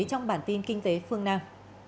trong bản tin kinh tế phương nam